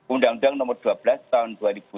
undang undang nomor dua belas tahun dua ribu dua